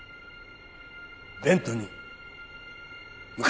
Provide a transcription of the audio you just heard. ベントに向かってくれ。